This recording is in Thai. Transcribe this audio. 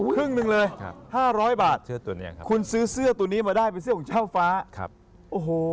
ครึ่งหนึ่งเลย๕๐๐บาทคุณซื้อเสื้อตัวนี้มาได้เป็นเสื้อของเจ้าฟ้าครับโอ้โห